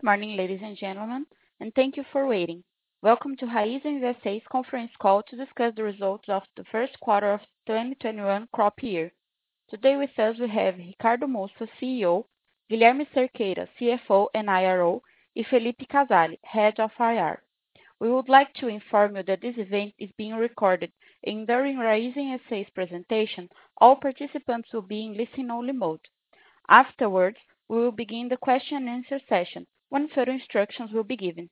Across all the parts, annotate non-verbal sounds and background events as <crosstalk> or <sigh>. Good morning, ladies and gentlemen, and thank you for waiting. Welcome to Raízen SA's conference call to discuss the results of the first quarter of 2021 crop year. Today with us we have Ricardo Mussa, CEO, Guilherme Cerqueira, CFO and IRO, and Phillipe Casale, Head of IR. We would like to inform you that this event is being recorded and during Raízen SA's presentation, all participants will be in listen-only mode. Afterwards, we will begin the question-and-answer session, when further instructions will be given.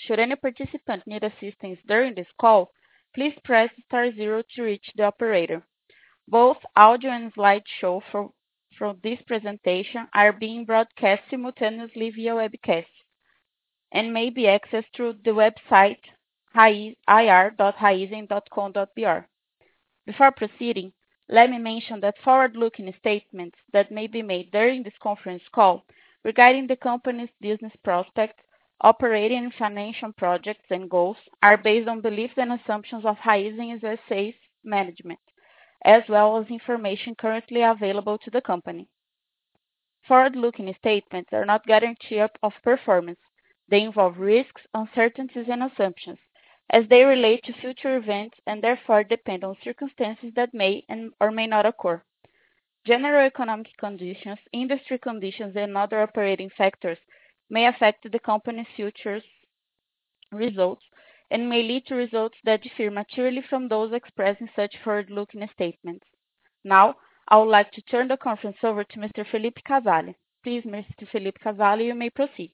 Should any participant need assistance during this call, please press star zero to reach the operator. Both audio and slideshow from this presentation are being broadcast simultaneously via webcast and may be accessed through the website ri.raizen.com.br. Before proceeding, let me mention that forward-looking statements that may be made during this conference call regarding the company's business prospects, operating and financial projects and goals are based on beliefs and assumptions of Raízen SA's management, as well as information currently available to the company. Forward-looking statements are not guarantees of performance. They involve risks, uncertainties, and assumptions as they relate to future events and therefore depend on circumstances that may or may not occur. General economic conditions, industry conditions, and other operating factors may affect the company's future results and may lead to results that differ materially from those expressed in such forward-looking statements. Now, I would like to turn the conference over to Mr. Phillipe Casale. Please, Mr. Phillipe Casale, you may proceed.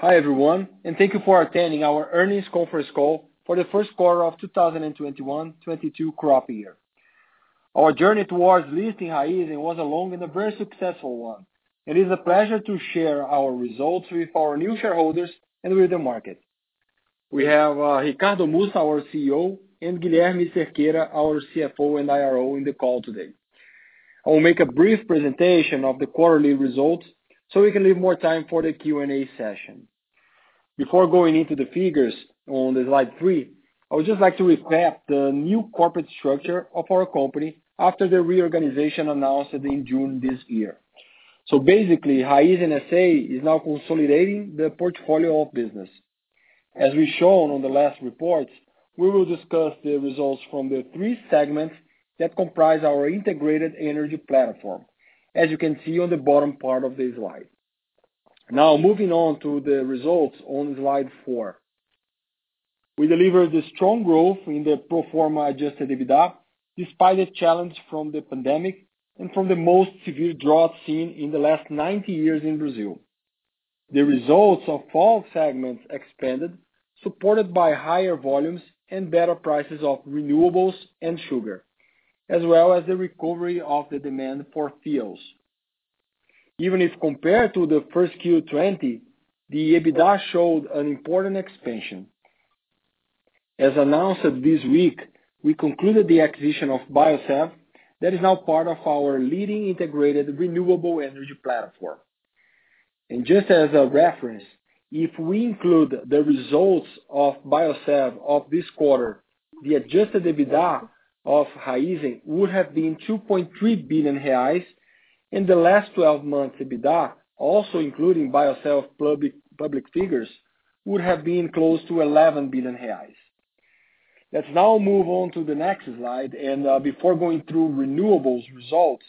Hi, everyone, and thank you for attending our earnings conference call for the first quarter of 2021/2022 crop year. Our journey towards listing Raízen was a long and a very successful one. It is a pleasure to share our results with our new shareholders and with the market. We have Ricardo Mussa, our CEO, and Guilherme Cerqueira, our CFO and IRO, in the call today. I will make a brief presentation of the quarterly results, so we can leave more time for the Q&A session. Before going into the figures on slide three, I would just like to recap the new corporate structure of our company after the reorganization announced in June this year. Basically, Raízen SA is now consolidating the portfolio of business. As we've shown on the last report, we will discuss the results from the three segments that comprise our integrated energy platform, as you can see on the bottom part of the slide. Now, moving on to the results on slide four. We delivered strong growth in the pro forma Adjusted EBITDA, despite a challenge from the pandemic and from the most severe drought seen in the last 90 years in Brazil. The results of all segments expanded, supported by higher volumes and better prices of renewables and sugar, as well as the recovery of the demand for fuels. Even if compared to the first Q 2020, the EBITDA showed an important expansion. As announced this week, we concluded the acquisition of Biosev, that is now part of our leading integrated renewable energy platform. Just as a reference, if we include the results of Biosev of this quarter, the Adjusted EBITDA of Raízen would have been 2.3 billion reais, and the last 12 months EBITDA, also including Biosev's public figures, would have been close to 11 billion reais. Let's now move on to the next slide, and before going through renewables results,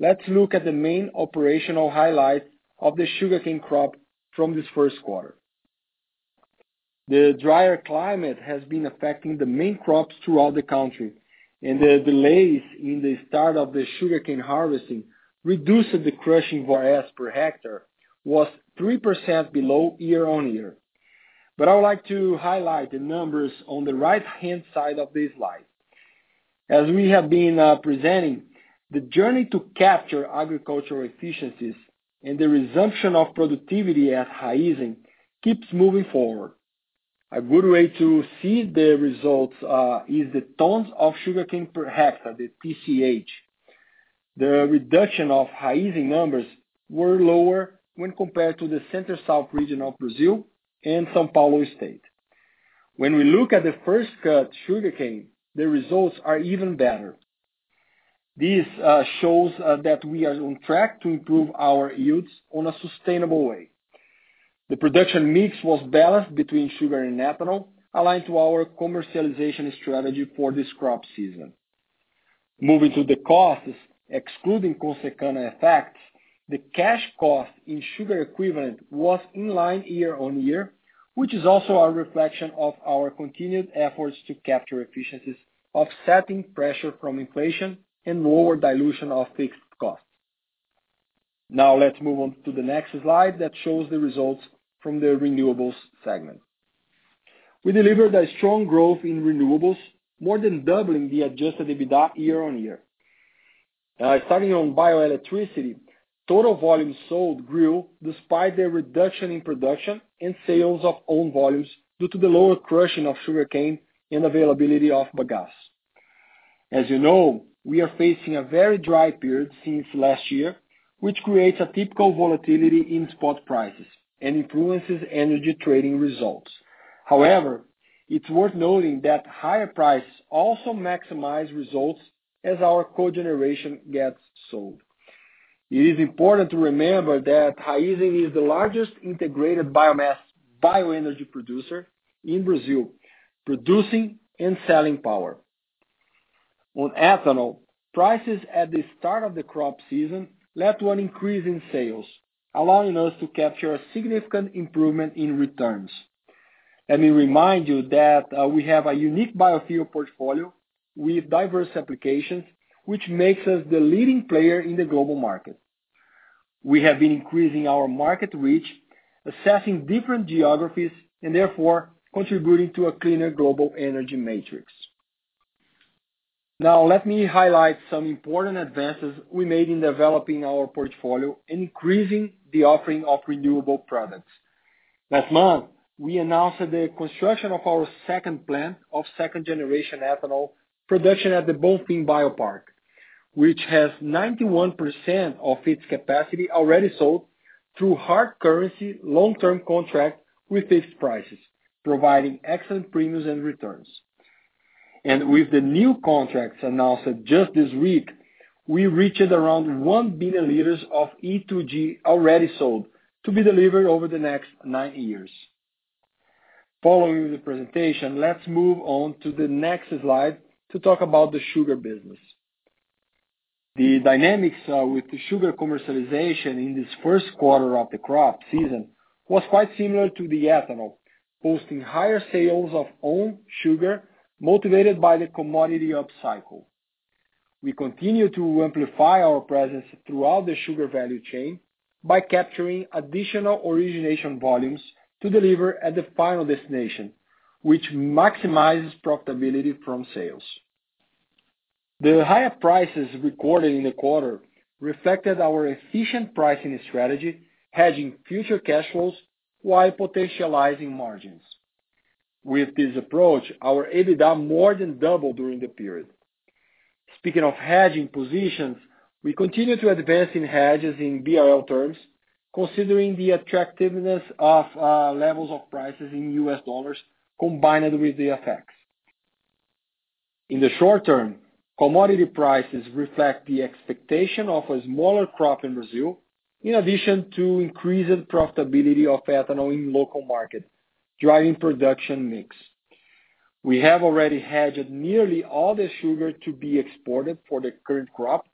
let's look at the main operational highlights of the sugarcane crop from this first quarter. The drier climate has been affecting the main crops throughout the country, and the delays in the start of the sugarcane harvesting reduced the crushing <audio distortion> per hectare was 3% below year-over-year. I would like to highlight the numbers on the right-hand side of this slide. As we have been presenting, the journey to capture agricultural efficiencies and the resumption of productivity at Raízen keeps moving forward. A good way to see the results is the tons of sugarcane per hectare, the TCH. The reduction of Raízen numbers were lower when compared to the Center-South region of Brazil and São Paulo state. When we look at the first cut sugarcane, the results are even better. This shows that we are on track to improve our yields in a sustainable way. The production mix was balanced between sugar and ethanol, aligned to our commercialization strategy for this crop season. Moving to the costs, excluding Consecana effects, the cash cost in sugar equivalent was in line year-on-year, which is also a reflection of our continued efforts to capture efficiencies offsetting pressure from inflation and lower dilution of fixed costs. Let's move on to the next slide that shows the results from the renewables segment. We delivered a strong growth in renewables, more than doubling the Adjusted EBITDA year-on-year. Starting on bioelectricity, total volume sold grew despite the reduction in production and sales of own volumes due to the lower crushing of sugarcane and availability of bagasse. As you know, we are facing a very dry period since last year, which creates a typical volatility in spot prices and influences energy trading results. However, it's worth noting that higher prices also maximize results as our cogeneration gets sold. It is important to remember that Raízen is the largest integrated biomass bioenergy producer in Brazil, producing and selling power. On ethanol, prices at the start of the crop season led to an increase in sales, allowing us to capture a significant improvement in returns. Let me remind you that we have a unique biofuel portfolio with diverse applications, which makes us the leading player in the global market. We have been increasing our market reach, assessing different geographies, and therefore contributing to a cleaner global energy matrix. Let me highlight some important advances we made in developing our portfolio, increasing the offering of renewable products. Last month, we announced the construction of our second plant of second-generation ethanol production at the Bonfim Bio Park, which has 91% of its capacity already sold through hard currency, long-term contract with fixed prices, providing excellent premiums and returns. With the new contracts announced just this week, we reached around 1 billion L of E2G already sold, to be delivered over the next nine years. Following the presentation, let's move on to the next slide to talk about the sugar business. The dynamics with the sugar commercialization in this first quarter of the crop season was quite similar to the ethanol, posting higher sales of owned sugar motivated by the commodity upcycle. We continue to amplify our presence throughout the sugar value chain by capturing additional origination volumes to deliver at the final destination, which maximizes profitability from sales. The higher prices recorded in the quarter reflected our efficient pricing strategy, hedging future cash flows while potentializing margins. With this approach, our EBITDA more than doubled during the period. Speaking of hedging positions, we continue to advance in hedges in BRL terms, considering the attractiveness of levels of prices in U.S. dollars combined with the FX. In the short term, commodity prices reflect the expectation of a smaller crop in Brazil, in addition to increased profitability of ethanol in local markets, driving production mix. We have already hedged nearly all the sugar to be exported for the current crop.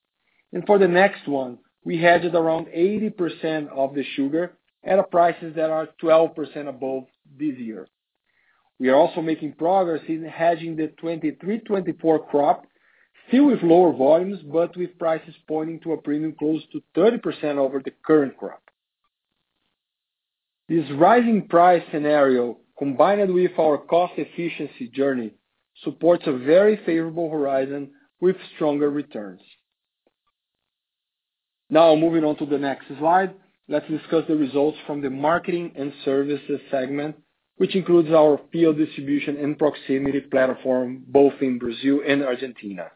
For the next one, we hedged around 80% of the sugar at prices that are 12% above this year. We are also making progress in hedging the 2023/2024 crop, still with lower volumes but with prices pointing to a premium close to 30% over the current crop. This rising price scenario, combined with our cost efficiency journey, supports a very favorable horizon with stronger returns. Now, moving on to the next slide, let's discuss the results from the marketing and services segment, which includes our field distribution and proximity platform, both in Brazil and Argentina.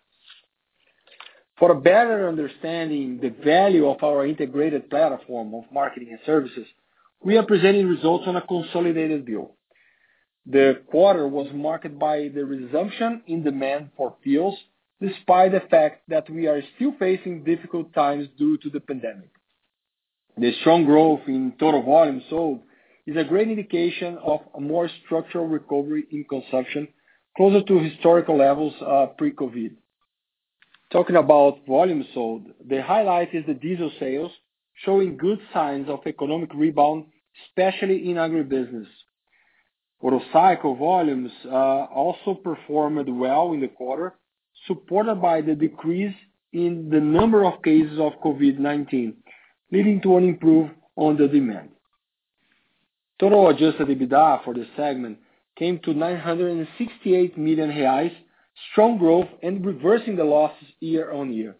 For a better understanding the value of our integrated platform of marketing and services, we are presenting results on a consolidated view. The quarter was marked by the resumption in demand for fuels, despite the fact that we are still facing difficult times due to the pandemic. The strong growth in total volume sold is a great indication of a more structural recovery in consumption closer to historical levels pre-COVID. Talking about volumes sold, the highlight is the diesel sales, showing good signs of economic rebound, especially in agribusiness. Otto cycle volumes also performed well in the quarter, supported by the decrease in the number of cases of COVID-19, leading to an improvement on the demand. Total Adjusted EBITDA for this segment came to 968 million reais, strong growth and reversing the losses year-on-year.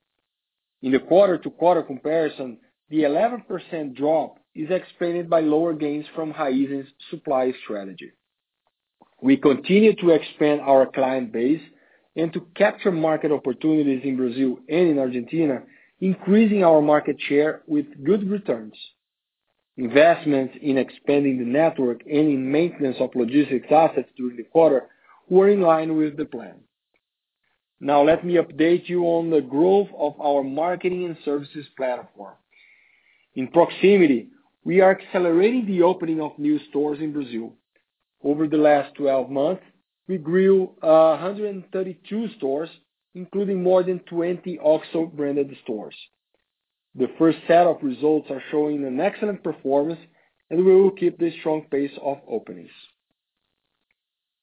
In the quarter-to-quarter comparison, the 11% drop is explained by lower gains from Raízen's supply strategy. We continue to expand our client base and to capture market opportunities in Brazil and in Argentina, increasing our market share with good returns. Investments in expanding the network and in maintenance of logistics assets during the quarter were in line with the plan. Let me update you on the growth of our marketing and services platform. In proximity, we are accelerating the opening of new stores in Brazil. Over the last 12 months, we grew 132 stores, including more than 20 OXXO-branded stores. The first set of results are showing an excellent performance, and we will keep this strong pace of openings.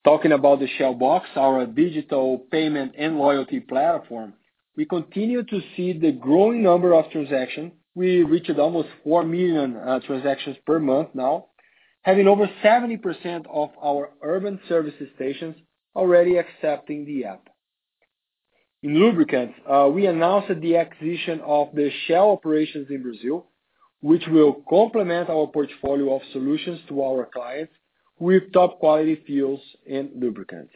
Talking about the Shell Box, our digital payment and loyalty platform, we continue to see the growing number of transactions. We reached almost 4 million transactions per month now, having over 70% of our urban service stations already accepting the app. In lubricants, we announced the acquisition of the Shell operations in Brazil, which will complement our portfolio of solutions to our clients with top-quality fuels and lubricants.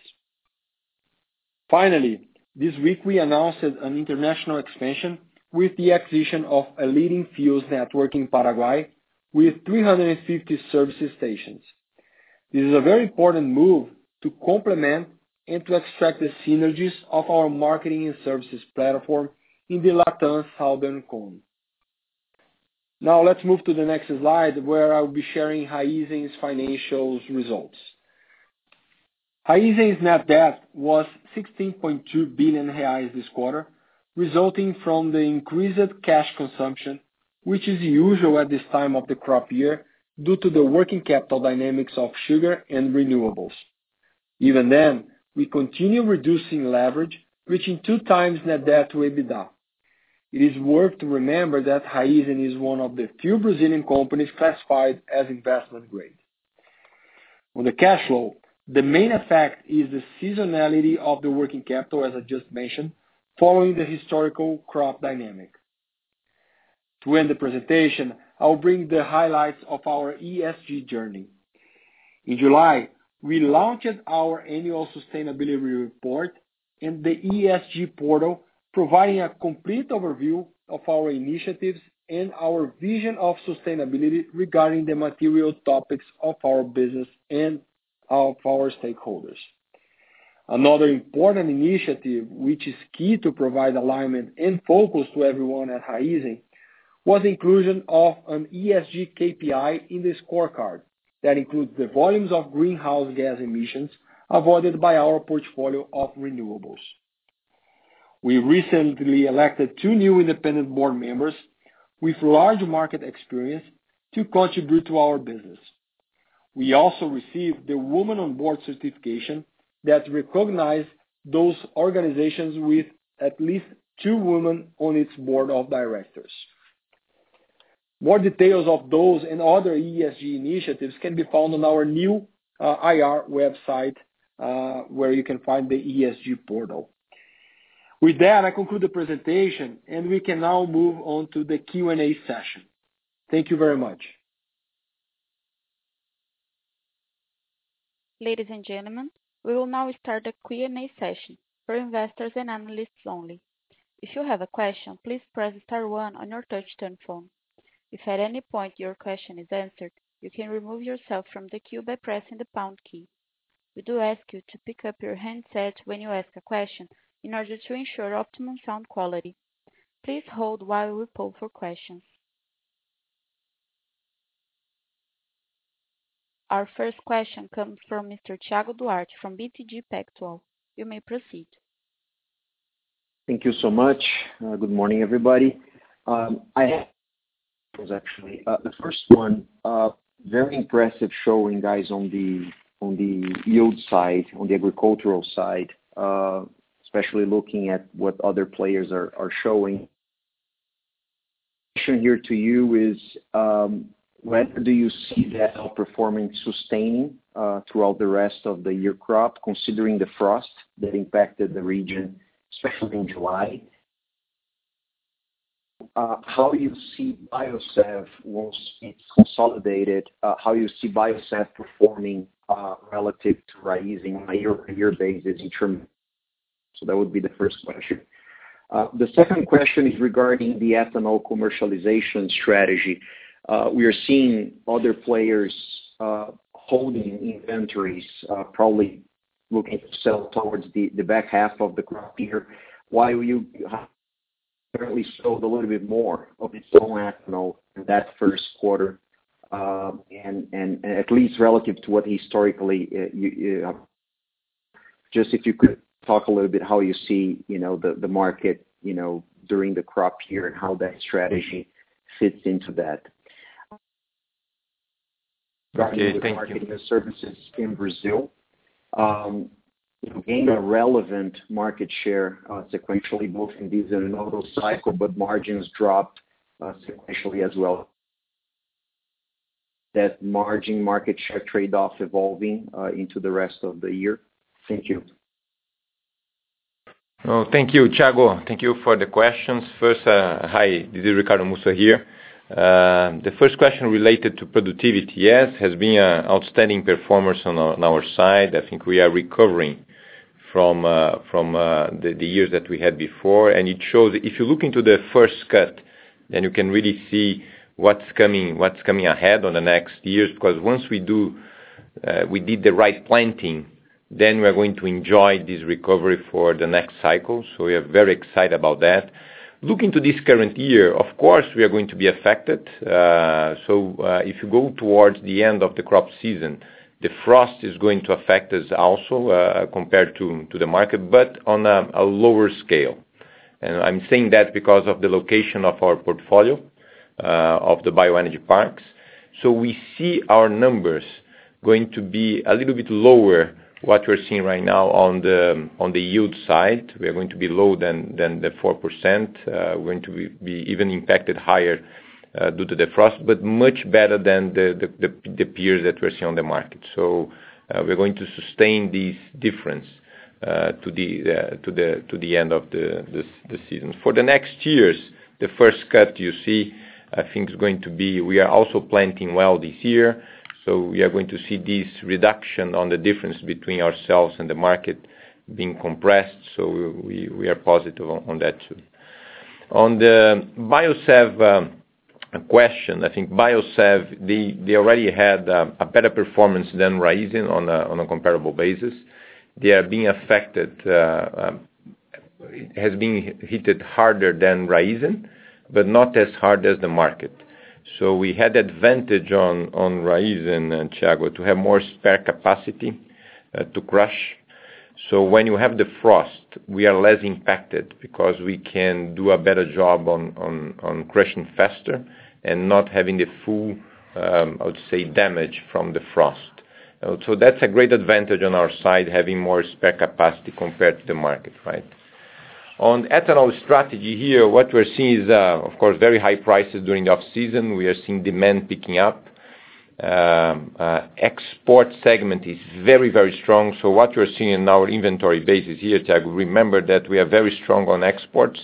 Finally, this week we announced an international expansion with the acquisition of a leading fuels network in Paraguay with 350 service stations. This is a very important move to complement and to extract the synergies of our marketing and services platform in the Latin Southern Cone. Now, let's move to the next slide, where I will be sharing Raízen's financials results. Raízen's net debt was 16.2 billion reais this quarter, resulting from the increased cash consumption, which is usual at this time of the crop year due to the working capital dynamics of sugar and renewables. Even then, we continue reducing leverage, reaching 2x net debt-to-EBITDA. It is worth to remember that Raízen is one of the few Brazilian companies classified as investment-grade. On the cash flow, the main effect is the seasonality of the working capital, as I just mentioned, following the historical crop dynamic. To end the presentation, I will bring the highlights of our ESG journey. In July, we launched our annual sustainability report and the ESG portal, providing a complete overview of our initiatives and our vision of sustainability regarding the material topics of our business and of our stakeholders. Another important initiative, which is key to provide alignment and focus to everyone at Raízen, was inclusion of an ESG KPI in the scorecard that includes the volumes of greenhouse gas emissions avoided by our portfolio of renewables. We recently elected two new independent board members with large market experience to contribute to our business. We also received the Women on Board certification that recognize those organizations with at least two women on its board of directors. More details of those and other ESG initiatives can be found on our new IR website, where you can find the ESG portal. With that, I conclude the presentation, and we can now move on to the Q&A session. Thank you very much. Ladies and gentlemen, we will now start the Q&A session for investors and analysts only. If you have a question, please press star one on your touch-tone phone. If at any point your question is answered, you can remove yourself from the queue by pressing the pound key. We do ask you to pick up your handset when you ask a question in order to ensure optimal sound quality. Please hold while we poll for questions. Our first question comes from Mr. Thiago Duarte from BTG Pactual. You may proceed. Thank you so much. Good morning, everybody. I have two, actually. The first one, very impressive showing, guys, on the yield side, on the agricultural side, especially looking at what other players are showing. Question here to you is, when do you see that outperforming sustaining throughout the rest of the year crop, considering the frost that impacted the region, especially in July? How do you see Biosev once it's consolidated, how you see Biosev performing relative to Raízen on a year-on-year basis. So that would be the first question. The second question is regarding the ethanol commercialization strategy. We are seeing other players holding inventories, probably looking to sell towards the back half of the crop year. Why would you apparently sold a little bit more of its own ethanol in that first quarter, and at least relative to what historically? <audio distortion> Just if you could talk a little bit how you see the market during the crop year and how that strategy fits into that. Okay, thank you. Regarding the marketing and services in Brazil, <audio distortion> gained a relevant market share sequentially, both in this and Otto cycle, but margins dropped sequentially as well. <audio distortion> that margin market share trade-off evolving into the rest of the year? Thank you. Thank you, Thiago. Thank you for the questions. Hi, this is Ricardo Mussa here. The first question related to productivity. Yes, has been outstanding performance on our side. I think we are recovering from the years that we had before, and it shows if you look into the first cut, then you can really see what's coming ahead on the next years, because once we did the right planting, then we are going to enjoy this recovery for the next cycle. We are very excited about that. Looking to this current year, of course, we are going to be affected. If you go towards the end of the crop season, the frost is going to affect us also compared to the market, but on a lower scale. I'm saying that because of the location of our portfolio of the bioenergy parks. We see our numbers going to be a little bit lower. What we're seeing right now on the yield side, we are going to be lower than the 4%. We're going to be even impacted higher due to the frost, but much better than the period that we're seeing on the market. We're going to sustain this difference to the end of the season. For the next years, the first cut you see, I think is going to be, we are also planting well this year, we are going to see this reduction on the difference between ourselves and the market being compressed. We are positive on that, too. On the Biosev question, I think Biosev, they already had a better performance than Raízen on a comparable basis. They have been hit harder than Raízen, but not as hard as the market. We had advantage on Raízen, Thiago, to have more spare capacity to crush. When you have the frost, we are less impacted because we can do a better job on crushing faster and not having the full, I would say, damage from the frost. That's a great advantage on our side, having more spare capacity compared to the market. On ethanol strategy here, what we're seeing is, of course, very high prices during off-season. We are seeing demand picking up. Export segment is very strong, so what you're seeing in our inventory basis here, Thiago, remember that we are very strong on exports,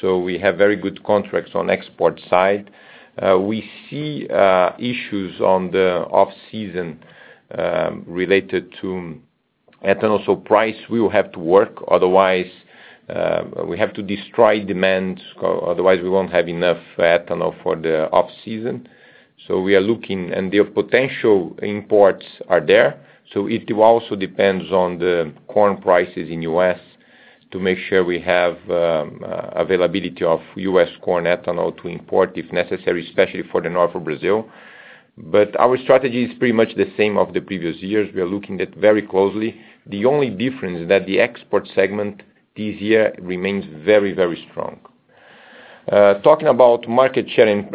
so we have very good contracts on export side. We see issues on the off-season related to ethanol. Price will have to work, otherwise, we have to destroy demand, otherwise we won't have enough ethanol for the off-season. We are looking. The potential imports are there, it also depends on the corn prices in U.S. to make sure we have availability of U.S. corn ethanol to import if necessary, especially for the north of Brazil. Our strategy is pretty much the same of the previous years. We are looking at very closely. The only difference is that the export segment this year remains very strong. Talking about market share and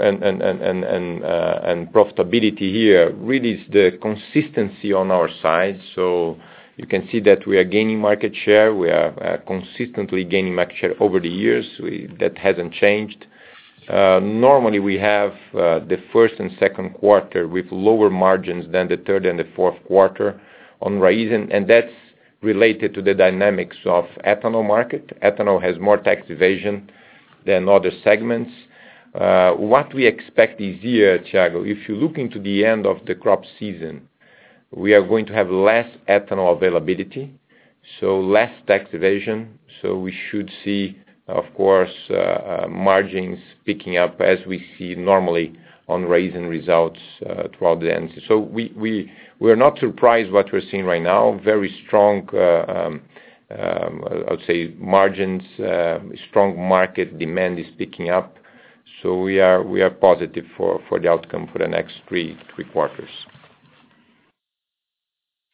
profitability here, really is the consistency on our side. You can see that we are gaining market share. We are consistently gaining market share over the years. That hasn't changed. Normally, we have the first and second quarter with lower margins than the third and the fourth quarter on Raízen, and that's related to the dynamics of ethanol market. Ethanol has more tax evasion than other segments. What we expect this year, Thiago, if you look into the end of the crop season, we are going to have less ethanol availability, less tax evasion. We should see, of course, margins picking up as we see normally on Raízen results throughout the end. We're not surprised what we're seeing right now. Very strong, I would say, margins, strong market demand is picking up. We are positive for the outcome for the next three quarters.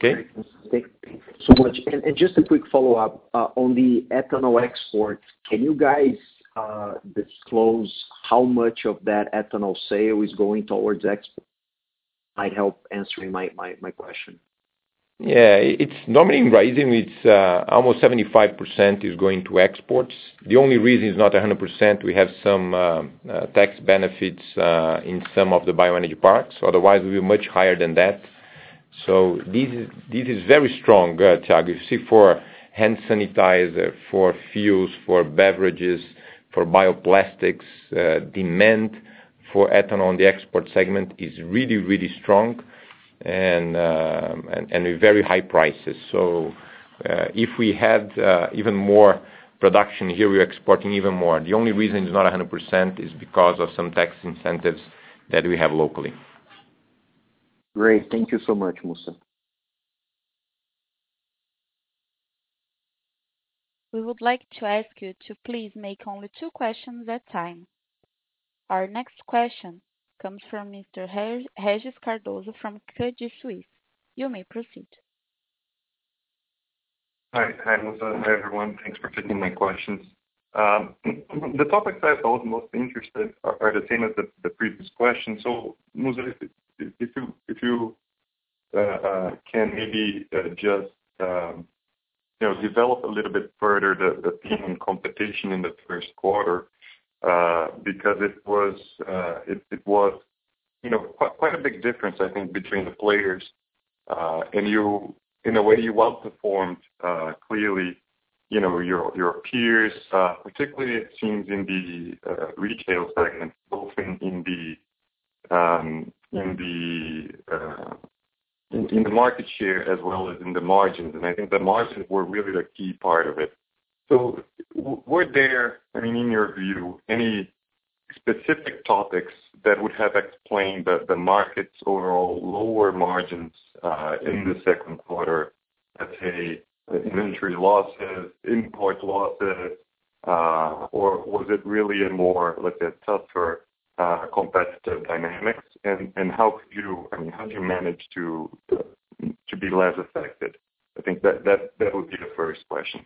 Thank you so much. Just a quick follow-up. On the ethanol exports, can you guys disclose how much of that ethanol sale is going towards export? Might help answering my question. Normally in Raízen, it's almost 75% is going to exports. The only reason it's not 100%, we have some tax benefits in some of the bioenergy parks. Otherwise, we'll be much higher than that. This is very strong, Thiago. You see for hand sanitizer, for fuels, for beverages, for bioplastics, demand for ethanol on the export segment is really strong and with very high prices. If we had even more production here, we're exporting even more. The only reason it's not 100% is because of some tax incentives that we have locally. Great. Thank you so much, Mussa. We would like to ask you to please make only two questions at a time. Our next question comes from Mr. Regis Cardoso from Credit Suisse. You may proceed. Hi, Mussa. Hi, everyone. Thanks for taking my questions. The topics I felt most interested are the same as the previous question. Mussa, if you can maybe just develop a little bit further the theme in competition in the first quarter, because it was quite a big difference, I think, between the players. In a way you well performed, clearly, your peers, particularly it seems in the retail segment, both in the market share as well as in the margins, and I think the margins were really the key part of it. Were there, in your view, any specific topics that would have explained the market's overall lower margins in the second quarter? Let's say, inventory losses, import losses, or was it really a more, let's say, tougher competitive dynamics? How did you manage to be less affected? I think that would be the first question.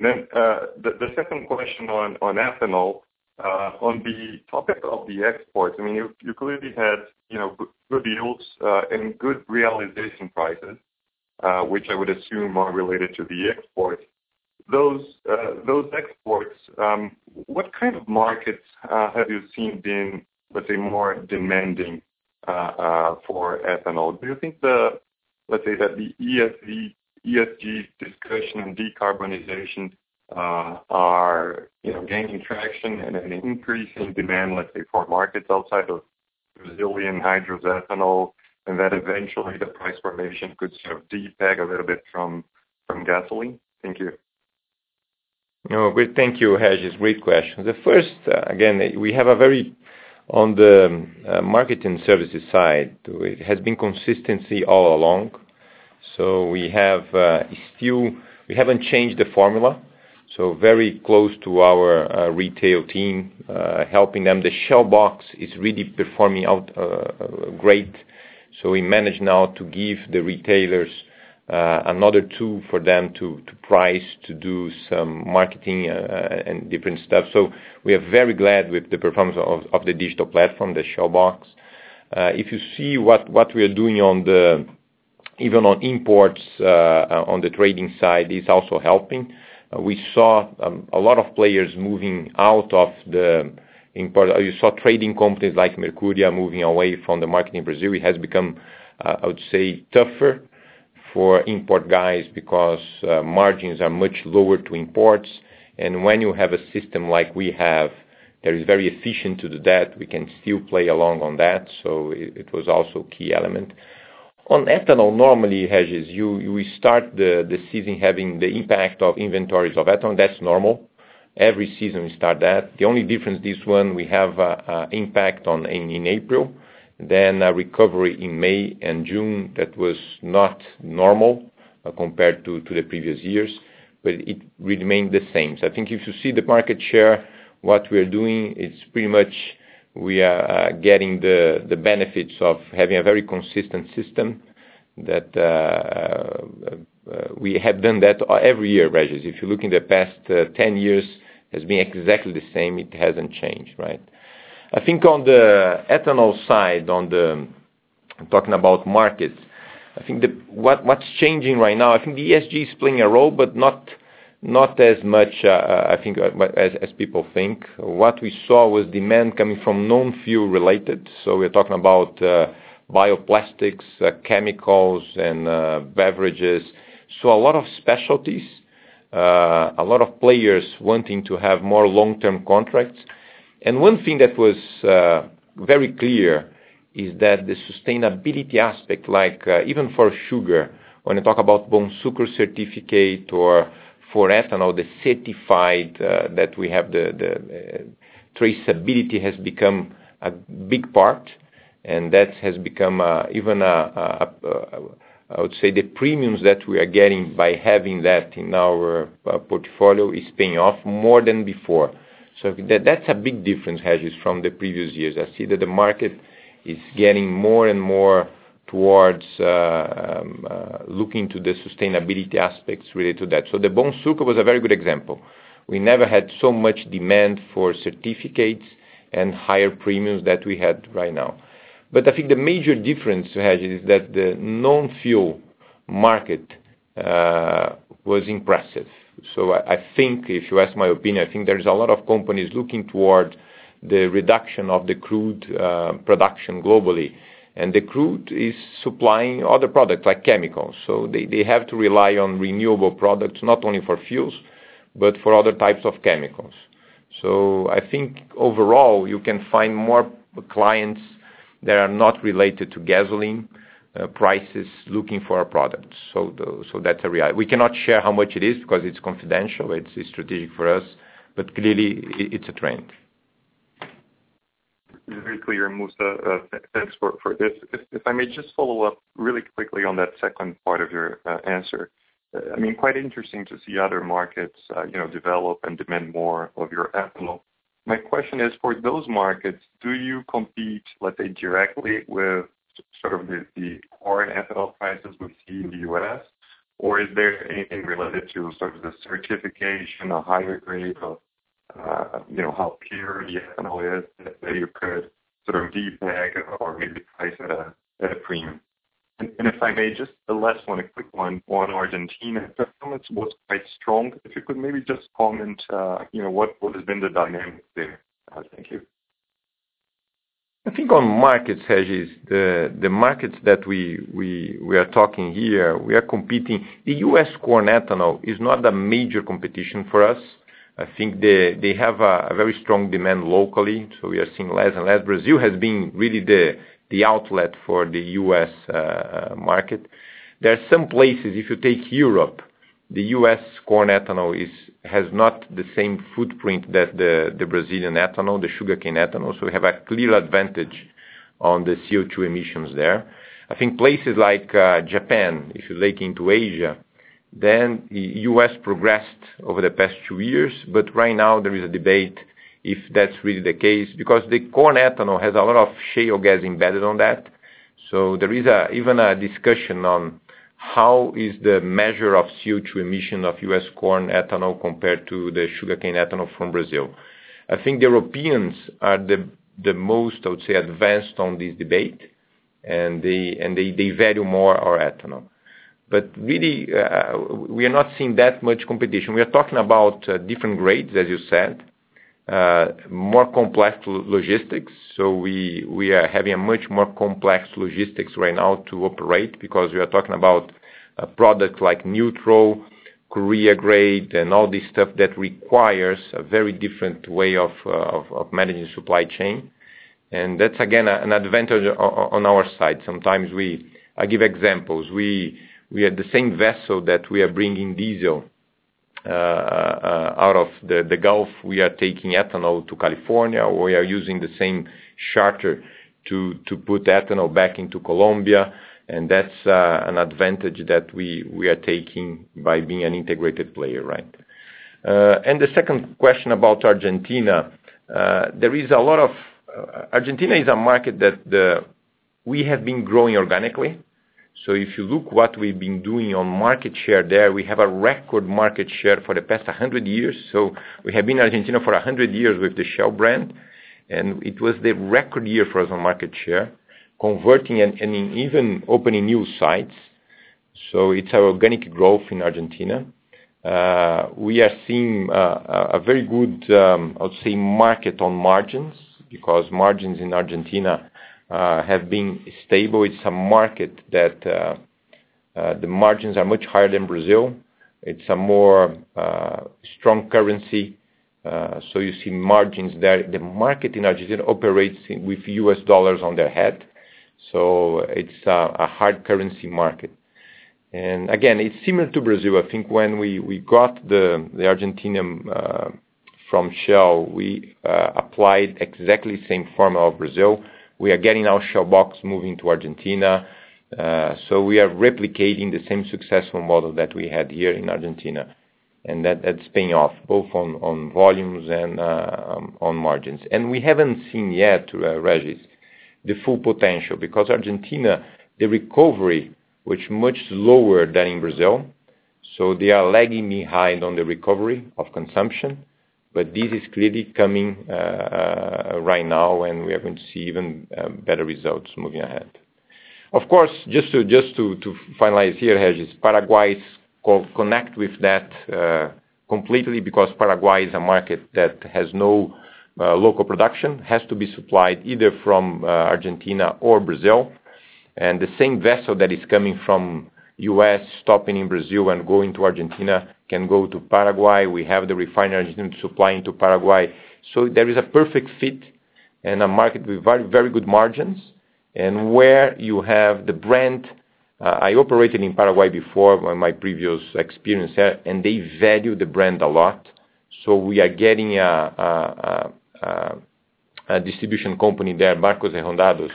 The second question on ethanol. On the topic of the exports, you clearly had good yields and good realization prices, which I would assume are related to the export. Those exports, what kind of markets have you seen been, let's say, more demanding for ethanol? Do you think that the ESG discussion and decarbonization are gaining traction and an increase in demand for markets outside of Brazilian hydro-ethanol, and that eventually the price formation could sort of de-peg a little bit from gasoline? Thank you. No, great. Thank you, Regis. Great question. The first, again, on the marketing services side, it has been consistency all along. We haven't changed the formula, so very close to our retail team, helping them. The Shell Box is really performing out great. We manage now to give the retailers another tool for them to price, to do some marketing, and different stuff. We are very glad with the performance of the digital platform, the Shell Box. If you see what we are doing even on imports, on the trading side is also helping. We saw a lot of players moving out of the import. You saw trading companies like Mercuria moving away from the market in Brazil. It has become, I would say, tougher for import guys because margins are much lower to imports. When you have a system like we have, that is very efficient to do that, we can still play along on that. It was also a key element. On ethanol, normally, Regis, you will start the season having the impact of inventories of ethanol. That's normal. Every season, we start that. The only difference this one, we have impact in April, then a recovery in May and June that was not normal compared to the previous years. It remained the same. I think if you see the market share, what we are doing, it's pretty much we are getting the benefits of having a very consistent system that we have done that every year, Regis. If you look in the past 10 years, has been exactly the same. It hasn't changed, right? I think on the ethanol side, talking about markets, I think what's changing right now, I think the ESG is playing a role, but not as much, I think, as people think. What we saw was demand coming from non-fuel related, so we're talking about bioplastics, chemicals, and beverages. A lot of specialties. A lot of players wanting to have more long-term contracts. One thing that was very clear is that the sustainability aspect, like even for sugar, when you talk about Bonsucro certificate or for ethanol, the certified that we have, the traceability has become a big part, and that has become, even, I would say, the premiums that we are getting by having that in our portfolio is paying off more than before. That's a big difference, Regis, from the previous years. I see that the market is getting more and more towards looking to the sustainability aspects related to that. The Bonsucro was a very good example. We never had so much demand for certificates and higher premiums that we have right now. I think the major difference, Regis, is that the non-fuel market was impressive. If you ask my opinion, I think there's a lot of companies looking toward the reduction of the crude production globally, and the crude is supplying other products, like chemicals. They have to rely on renewable products, not only for fuels, but for other types of chemicals. I think overall, you can find more clients that are not related to gasoline prices looking for our products. That's a reality. We cannot share how much it is because it's confidential. It's strategic for us. Clearly, it's a trend. Very clear, Mussa. Thanks for this. If I may just follow up really quickly on that second part of your answer. Quite interesting to see other markets develop and demand more of your ethanol. My question is, for those markets, do you compete, let's say, directly with sort of the corn ethanol prices we see in the U.S., or is there anything related to sort of the certification or higher grade of how pure the ethanol is that you could sort of de-peg or maybe price at a premium? If I may, just the last one, a quick one on Argentina. Performance was quite strong. If you could maybe just comment what has been the dynamics there. Thank you. I think on markets, Regis, the markets that we are talking here, we are competing. The U.S. corn ethanol is not a major competition for us. They have a very strong demand locally, we are seeing less and less. Brazil has been really the outlet for the U.S. market. There are some places, if you take Europe, the U.S. corn ethanol has not the same footprint that the Brazilian ethanol, the sugarcane ethanol. We have a clear advantage on the CO₂ emissions there. I think places like Japan, if you look into Asia, U.S. progressed over the past two years. Right now, there is a debate if that's really the case, because the corn ethanol has a lot of shale gas embedded on that. There is even a discussion on how is the measure of CO₂ emission of U.S. corn ethanol compared to the sugarcane ethanol from Brazil. I think the Europeans are the most, I would say, advanced on this debate, and they value more our ethanol. Really, we are not seeing that much competition. We are talking about different grades, as you said, more complex logistics. We are having a much more complex logistics right now to operate because we are talking about a product like neutral Korea grade and all this stuff that requires a very different way of managing supply chain. That's again, an advantage on our side. Sometimes we—I give examples, we had the same vessel that we are bringing diesel out of the Gulf, we are taking ethanol to California, or we are using the same charter to put ethanol back into Colombia. That's an advantage that we are taking by being an integrated player. The second question about Argentina. Argentina is a market that we have been growing organically. If you look what we've been doing on market share there, we have a record market share for the past 100 years. We have been in Argentina for 100 years with the Shell brand, and it was the record year for us on market share, converting and even opening new sites. It's our organic growth in Argentina. We are seeing a very good, I would say, market on margins because margins in Argentina have been stable. It's a market that the margins are much higher than Brazil. It's a more strong currency, so you see margins there. The market in Argentina operates with U.S. dollars on their head. It's a hard currency market. Again, it's similar to Brazil. I think when we got the Argentinian from Shell, we applied exactly the same formula of Brazil. We are getting our Shell Box moving to Argentina. We are replicating the same successful model that we had here in Argentina, and that's paying off both on volumes and on margins. We haven't seen yet, Regis, the full potential because Argentina, the recovery was much lower than in Brazil, so they are lagging behind on the recovery of consumption. This is clearly coming right now, and we are going to see even better results moving ahead. Of course, just to finalize here, Regis, Paraguay connect with that completely because Paraguay is a market that has no local production, has to be supplied either from Argentina or Brazil. The same vessel that is coming from U.S., stopping in Brazil and going to Argentina can go to Paraguay. We have the refinery in Argentina supplying to Paraguay. There is a perfect fit and a market with very good margins and where you have the brand. I operated in Paraguay before in my previous experience there. They value the brand a lot. We are getting a distribution company there, Barcos & Rodados,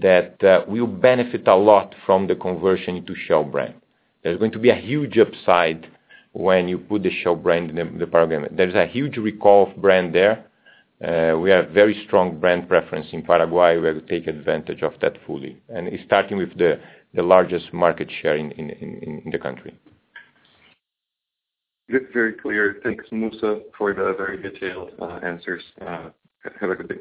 that will benefit a lot from the conversion to Shell brand. There's going to be a huge upside when you put the Shell brand in Paraguay. There's a huge recall of brand there. We have very strong brand preference in Paraguay. We will take advantage of that fully, and it's starting with the largest market share in the country. Very clear. Thanks, Mussa, for the very detailed answers. Have a good day.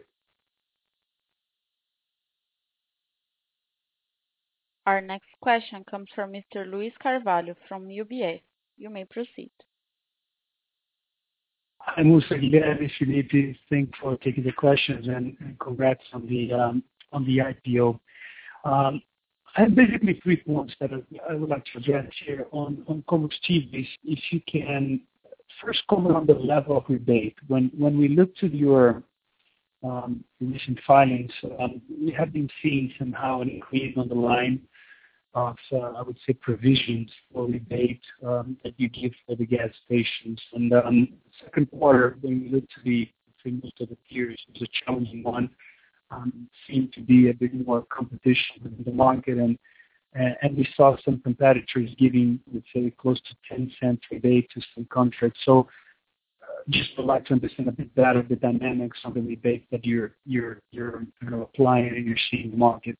Our next question comes from Mr. Luiz Carvalho from UBS. You may proceed. Hi, Mussa. Hi, Phillipe. Thanks for taking the questions and congrats on the IPO. I have basically three points that I would like to address here on Combustíveis. If you can first comment on the level of rebate. When we look to your recent filings, we have been seeing somehow an increase on the line of, I would say, provisions or rebate that you give for the gas stations. On the second quarter, when you look to the figures of the peers, it's a challenging one. It seemed to be a bit more competition in the market, and we saw some competitors giving, let's say, close to 0.10 rebate to some contracts. Just would like to understand a bit better the dynamics of the rebate that you're applying and you're seeing in the market.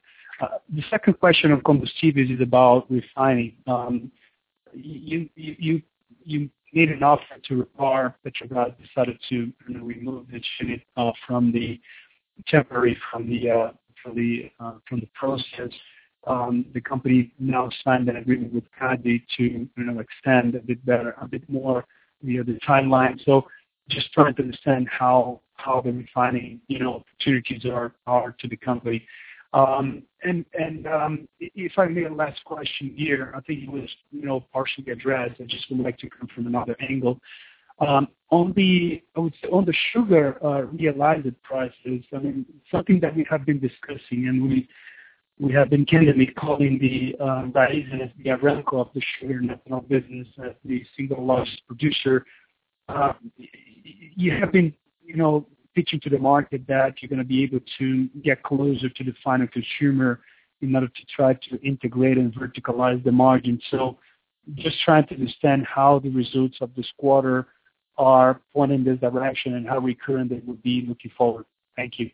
The second question on Combustíveis is about refining. You made an offer to REPAR that you guys decided to remove it temporarily from the process. The company now signed an agreement with CADE to extend a bit more the timeline. Just trying to understand how the refining opportunities are to the company. If I may, a last question here, I think it was partially addressed. I just would like to come from another angle. On the sugar realized prices, something that we have been discussing, and we have been kind of calling the Raízen as the Aramco of the sugar and ethanol business as the single largest producer. You have been pitching to the market that you're going to be able to get closer to the final consumer in order to try to integrate and verticalize the margin. Just trying to understand how the results of this quarter are pointing the direction and how recurrent it would be looking forward. Thank you.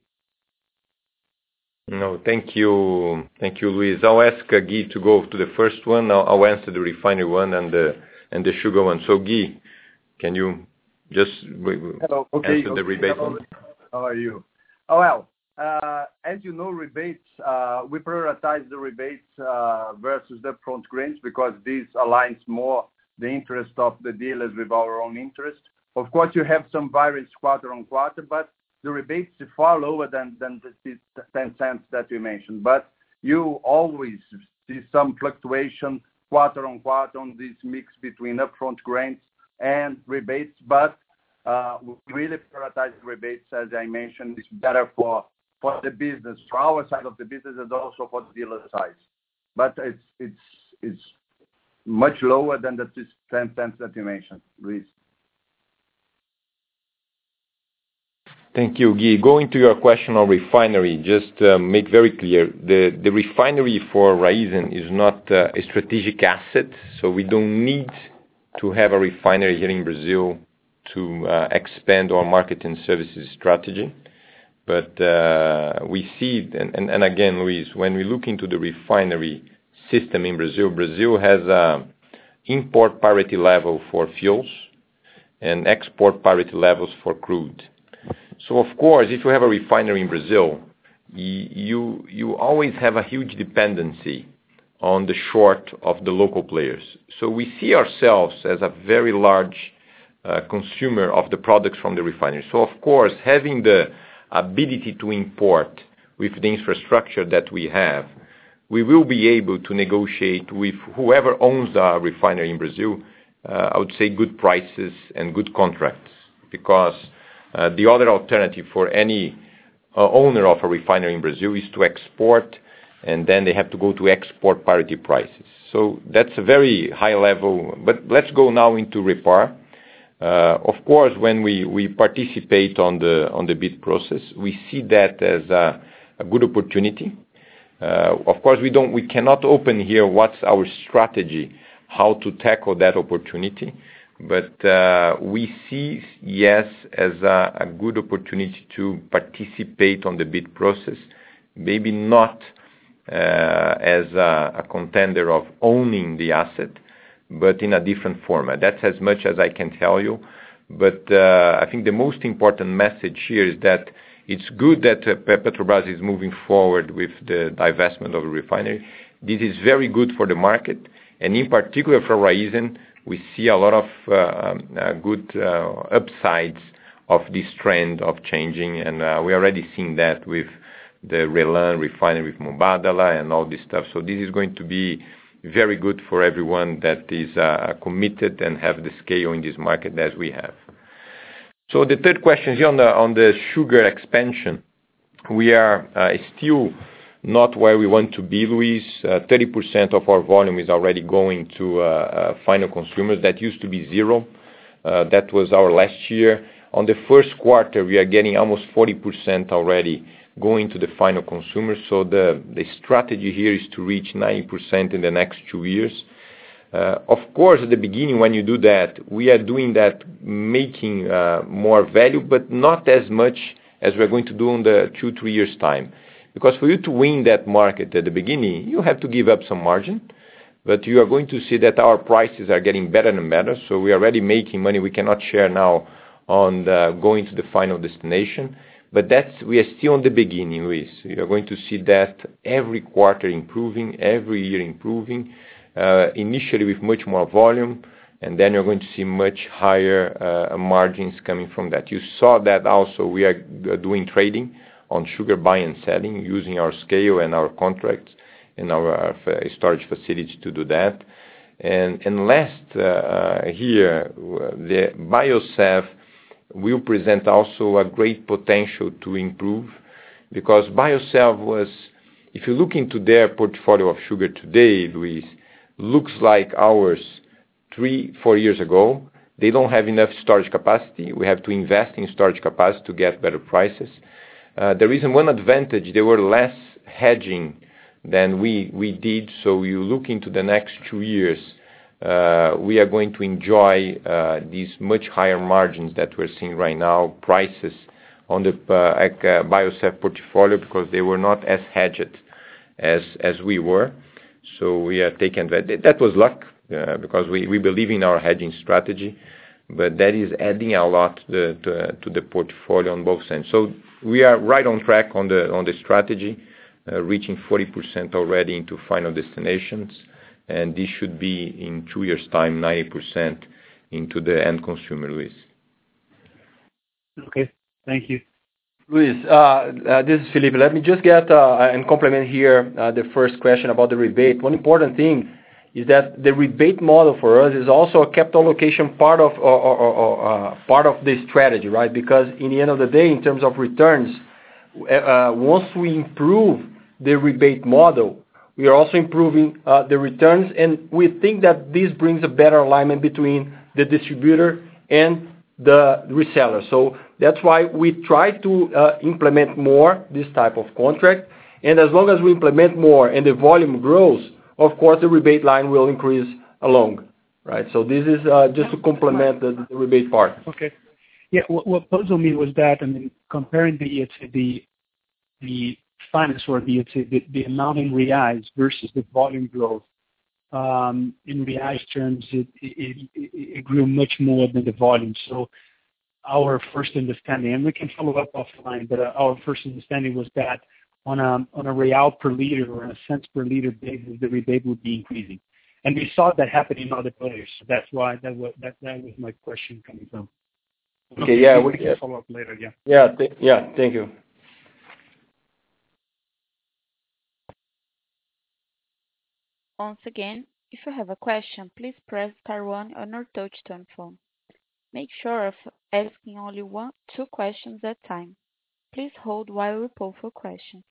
Thank you, Luiz. I'll ask Gui to go to the first one. I'll answer the refinery one and the sugar one. Gui, can you- Hello.... answer the rebate one? How are you? Well, as you know, rebates, we prioritize the rebates versus the upfront grants because this aligns more the interest of the dealers with our own interest. Of course, you have some variance quarter-on-quarter, but the rebates are far lower than 0.10 that you mentioned. You always see some fluctuation quarter-on-quarter on this mix between upfront grants and rebates. We really prioritize rebates, as I mentioned, it's better for the business, for our side of the business and also for the dealer side. It's much lower than the 0.10 that you mentioned, Luiz. Thank you, Gui. Going to your question on refinery, just to make very clear, the refinery for Raízen is not a strategic asset, so we don't need to have a refinery here in Brazil to expand our market and services strategy. Again, Luiz, when we look into the refinery system in Brazil, Brazil has import parity level for fuels and export parity levels for crude. Of course, if you have a refinery in Brazil, you always have a huge dependency on the short of the local players. We see ourselves as a very large consumer of the products from the refinery. Of course, having the ability to import with the infrastructure that we have, we will be able to negotiate with whoever owns the refinery in Brazil, I would say good prices and good contracts. The other alternative for any owner of a refinery in Brazil is to export, and then they have to go to export parity prices. That's a very high level. Let's go now into REPAR. Of course, when we participate on the bid process, we see that as a good opportunity. Of course, we cannot open here what's our strategy, how to tackle that opportunity. We see, yes, as a good opportunity to participate on the bid process. Maybe not as a contender of owning the asset, but in a different format. That's as much as I can tell you. I think the most important message here is that it's good that Petrobras is moving forward with the divestment of the refinery. This is very good for the market. In particular for Raízen, we see a lot of good upsides of this trend of changing. We are already seeing that with the RLAM refinery, with Mubadala and all this stuff. This is going to be very good for everyone that is committed and have the scale in this market as we have. The third question here on the sugar expansion, we are still not where we want to be, Luiz. 30% of our volume is already going to final consumers. That used to be zero. That was our last year. On the first quarter, we are getting almost 40% already going to the final consumer. The strategy here is to reach 90% in the next two years. Of course, at the beginning when you do that, we are doing that making more value, but not as much as we're going to do on the two, three years' time. For you to win that market at the beginning, you have to give up some margin. You are going to see that our prices are getting better and better. We are already making money, we cannot share now on going to the final destination. We are still in the beginning, Luiz. You're going to see that every quarter improving, every year improving, initially with much more volume, and then you're going to see much higher margins coming from that. You saw that also we are doing trading on sugar buying and selling using our scale and our contracts and our storage facility to do that. Last here, the Biosev will present also a great potential to improve because Biosev was, if you look into their portfolio of sugar today, Luiz, looks like ours three, four years ago. They don't have enough storage capacity. We have to invest in storage capacity to get better prices. The reason, one advantage, they were less hedging than we did, so you look into the next two years, we are going to enjoy these much higher margins that we're seeing right now, prices on the Biosev portfolio, because they were not as hedged as we were. We have taken that. That was luck, because we believe in our hedging strategy. That is adding a lot to the portfolio on both ends. We are right on track on the strategy, reaching 40% already into final destinations, and this should be in two years' time, 90% into the end consumer, Luiz. Okay. Thank you. Luiz, this is Phillipe. Let me just get and complement here, the first question about the rebate. One important thing is that the rebate model for us is also a capital allocation part of this strategy, right? In the end of the day, in terms of returns, once we improve the rebate model, we are also improving the returns, and we think that this brings a better alignment between the distributor and the reseller. That's why we try to implement more this type of contract. As long as we implement more and the volume grows, of course, the rebate line will increase along. This is just to complement the rebate part. Okay. What puzzled me was that, then comparing the finance or the amount in reais versus the volume growth, in reais terms, it grew much more than the volume. Our first understanding, and we can follow up offline, our first understanding was that on a real per liter or in a cents per liter basis, the rebate would be increasing. We saw that happen in other players. That's why, that was my question coming from. Okay. We can follow up later. Thank you. Once again, if you have a question, please press star one on your touch-tone phone. Make sure of asking only two questions at a time. Please hold while we poll for questions.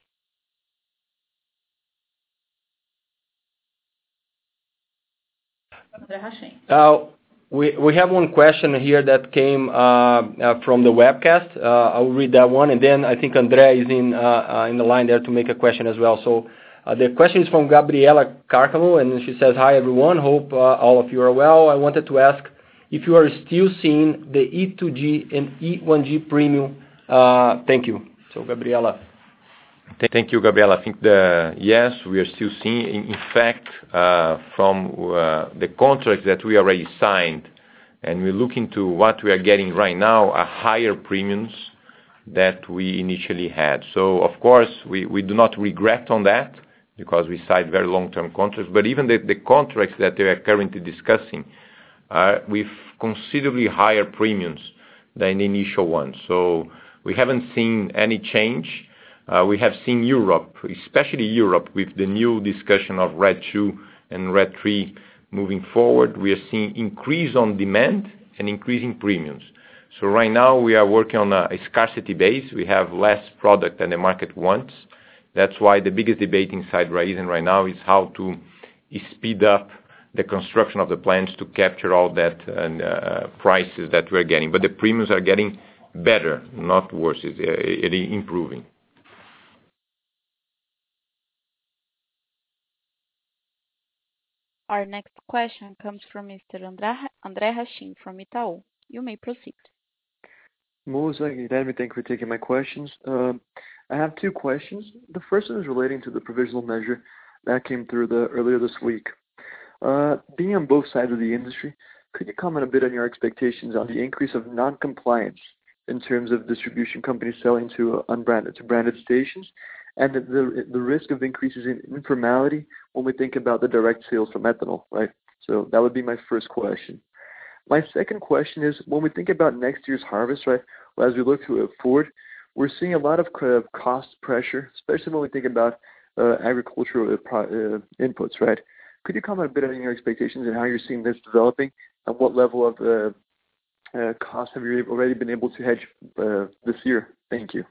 Andre Hachem. We have one question here that came from the webcast. I will read that one, and then I think Andre Hachem is in the line there to make a question as well. The question is from Gabriela Cárcamo, and she says: Hi, everyone. Hope all of you are well. I wanted to ask if you are still seeing the E2G and E1G premium. Thank you. So Gabriela. Thank you, Gabriela. I think, yes, we are still seeing, in fact, from the contracts that we already signed, and we're looking to what we are getting right now, are higher premiums than we initially had. Of course, we do not regret on that because we signed very long-term contracts. Even the contracts that we are currently discussing are with considerably higher premiums than the initial ones. We haven't seen any change. We have seen Europe, especially Europe, with the new discussion of RED II and RED III moving forward. We are seeing increase on demand and increase in premiums. Right now, we are working on a scarcity base. We have less product than the market wants. That's why the biggest debate inside Raízen right now is how to speed up the construction of the plants to capture all that and prices that we're getting. The premiums are getting better, not worse. It is improving. Our next question comes from Mr. Andre Hachem from Itaú. You may proceed. Mussa and Guilherme, thank you for taking my questions. I have two questions. The first one is relating to the provisional measure that came through earlier this week. Being on both sides of the industry, could you comment a bit on your expectations on the increase of non-compliance in terms of distribution companies selling to unbranded, to branded stations, and the risk of increases in informality when we think about the direct sales from ethanol? That would be my first question. My second question is, when we think about next year's harvest, as we look to it forward, we're seeing a lot of cost pressure, especially when we think about agricultural inputs. Could you comment a bit on your expectations on how you're seeing this developing? At what level of cost have you already been able to hedge this year? Thank you.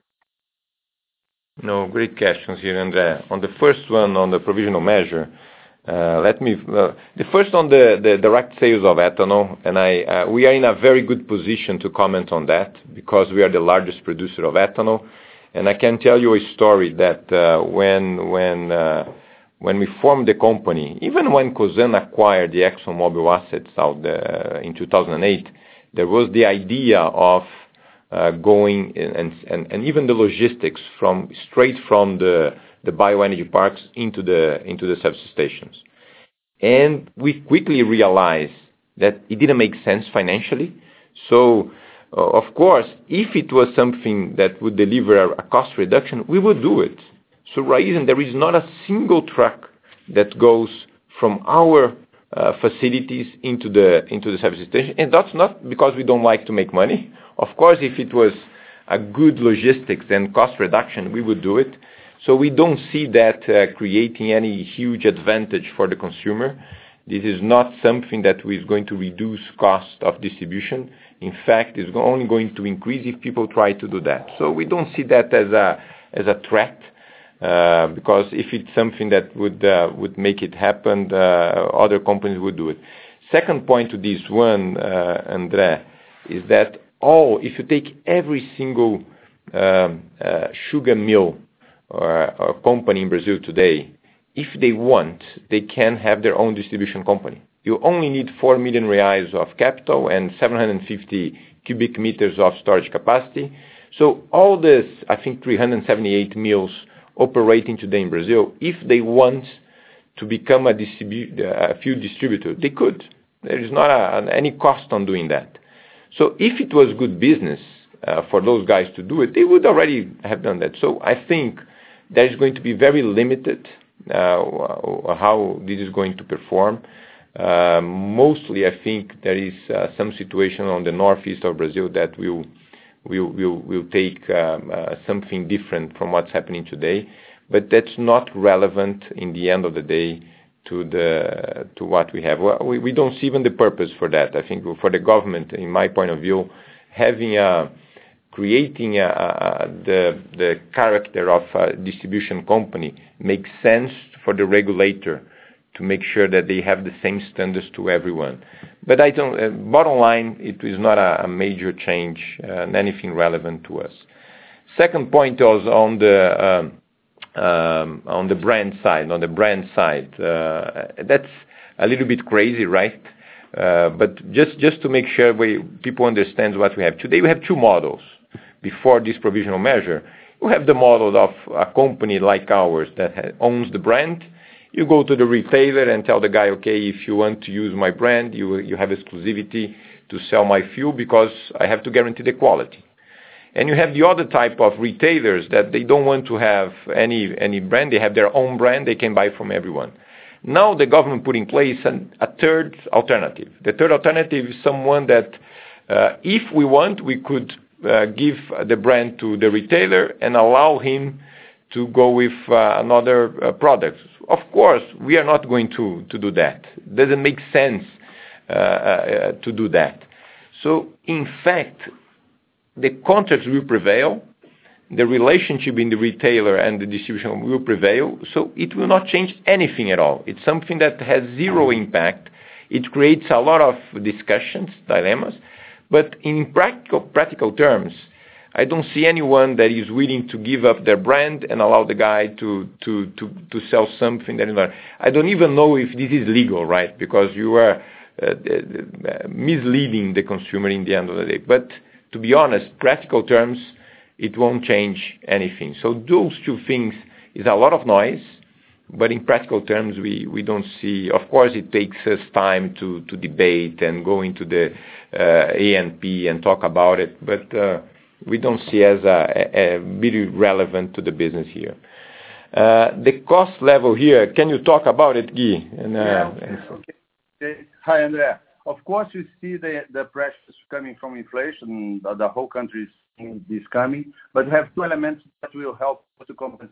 No, great questions here, Andre. On the first one, on the provisional measure, the direct sales of ethanol. We are in a very good position to comment on that because we are the largest producer of ethanol. I can tell you a story that when we formed the company, even when Cosan acquired the ExxonMobil assets out there in 2008, there was the idea of going, and even the logistics, straight from the bioenergy parks into the service stations. We quickly realized that it didn't make sense financially. Of course, if it was something that would deliver a cost reduction, we would do it. Raízen, there is not a single truck that goes from our facilities into the service station. That's not because we don't like to make money. If it was a good logistics and cost reduction, we would do it. We don't see that creating any huge advantage for the consumer. This is not something that is going to reduce cost of distribution. In fact, it's only going to increase if people try to do that. We don't see that as a threat, because if it's something that would make it happen, other companies would do it. Second point to this one, Andre, is that all, if you take every single sugar mill or company in Brazil today, if they want, they can have their own distribution company. You only need 4 million reais of capital and 750 cu m of storage capacity. All these, I think 378 mills operating today in Brazil, if they want to become a fuel distributor, they could. There is not any cost on doing that. If it was good business for those guys to do it, they would already have done that. I think that is going to be very limited, how this is going to perform. Mostly, I think there is some situation on the Northeast of Brazil that will take something different from what's happening today. That's not relevant in the end of the day to what we have. We don't see even the purpose for that. I think for the government, in my point of view, creating the character of a distribution company makes sense for the regulator to make sure that they have the same standards to everyone. Bottom-line, it is not a major change and anything relevant to us. Second point also on the brand side. That's a little bit crazy. Just to make sure people understand what we have. Today, we have two models. Before this provisional measure, we have the models of a company like ours that owns the brand. You go to the retailer and tell the guy, okay, if you want to use my brand, you have exclusivity to sell my fuel because I have to guarantee the quality. You have the other type of retailers that they don't want to have any brand. They have their own brand. They can buy from everyone. Now, the government put in place a third alternative. The third alternative is someone that if we want, we could give the brand to the retailer and allow him to go with another product. Of course, we are not going to do that. It doesn't make sense to do that. In fact, the contract will prevail, the relationship between the retailer and the distribution will prevail, it will not change anything at all. It's something that has zero impact. It creates a lot of discussions, dilemmas. In practical terms, I don't see anyone that is willing to give up their brand and allow the guy to sell something that is not—I don't even know if this is legal. Because you are misleading the consumer at the end of the day. To be honest, practical terms, it won't change anything. Those two things is a lot of noise, but in practical terms, we don't see—of course, it takes us time to debate and go into the ANP and talk about it—but we don't see as very relevant to the business here. The cost level here, can you talk about it, Gui? Okay. Hi, Andre. Of course, you see the pressures coming from inflation, the whole country is coming. We have two elements that will help to compensate.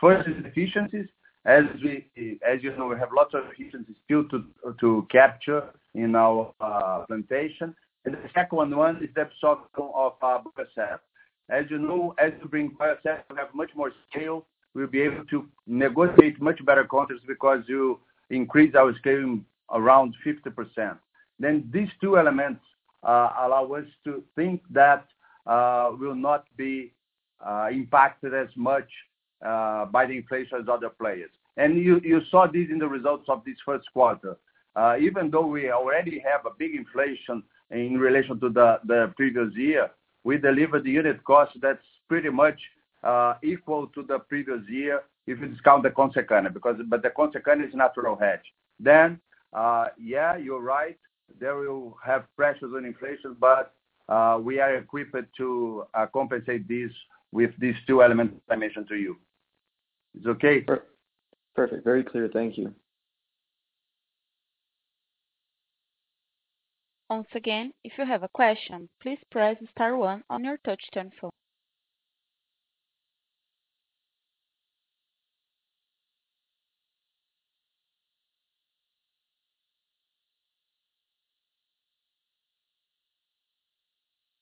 First is efficiencies. As you know, we have lots of efficiencies still to capture in our plantation. The second one is the absorption of Biosev. As you know, as you bring Biosev, we have much more scale. We'll be able to negotiate much better contracts because you increase our scaling around 50%. These two elements allow us to think that we'll not be impacted as much by the inflation as other players. You saw this in the results of this first quarter. Even though we already have a big inflation in relation to the previous year, we delivered the unit cost that's pretty much equal to the previous year, if you discount the Consecana, but the Consecana is natural hedge. You're right, there we will have pressures on inflation, but we are equipped to compensate this with these two elements I mentioned to you. It's okay? Perfect. Very clear. Thank you. Once again, if you have a question, please press star one on your touch-tone phone.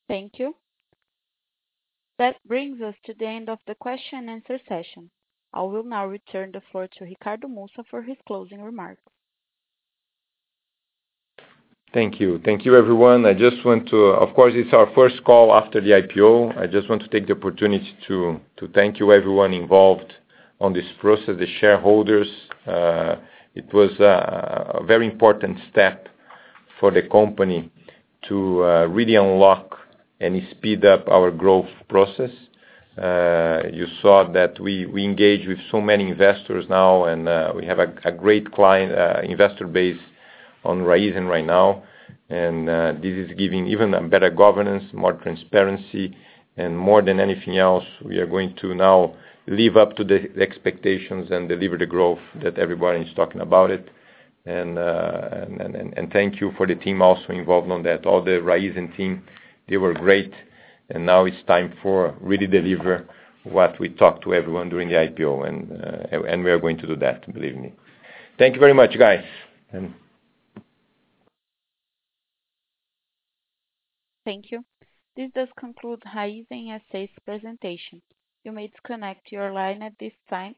Thank you. That brings us to the end of the question-and-answer session. I will now return the floor to Ricardo Mussa for his closing remarks. Thank you. Thank you, everyone. Of course, it's our first call after the IPO. I just want to take the opportunity to thank you everyone involved on this process, the shareholders. It was a very important step for the company to really unlock and speed up our growth process. You saw that we engage with so many investors now. We have a great client, investor base on Raízen right now. This is giving even better governance, more transparency, and more than anything else, we are going to now live up to the expectations and deliver the growth that everybody is talking about it. Thank you for the team also involved in that. All the Raízen team, they were great. Now, it's time for really deliver what we talked to everyone during the IPO. We are going to do that, believe me. Thank you very much, guys. Thank you. This does conclude Raízen SA's presentation. You may disconnect your line at this time.